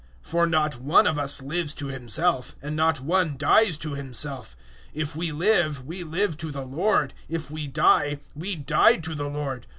014:007 For not one of us lives to himself, and not one dies to himself. 014:008 If we live, we live to the Lord: if we die, we die to the Lord.